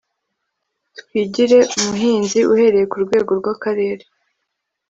twigire muhinzi uhereye ku rwego rw akarere